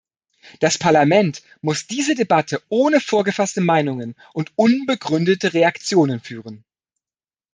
Das Parlament muss diese Debatte ohne vorgefasste Meinungen und unbegründete Reaktionen führen.